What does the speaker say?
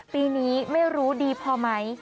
ปีนี้ไม่รู้ดีพอไหม